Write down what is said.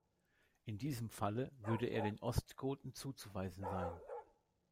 In diesem Falle würde er den Ostgoten zuzuweisen sein.